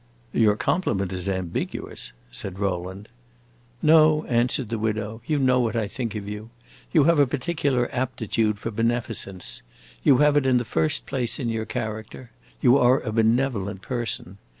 "Your compliment is ambiguous," said Rowland. "No," answered the widow, "you know what I think of you. You have a particular aptitude for beneficence. You have it in the first place in your character. You are a benevolent person.